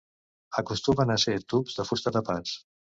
Acostumen a ser tubs de fusta tapats.